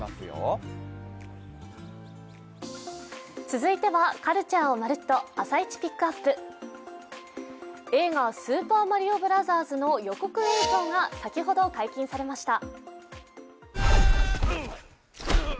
続いてはカルチャーをまるっと、「朝イチＰＩＣＫＵＰ！」、映画「スーパーマリオブラザーズ」の予告映像が先ほど解禁されました。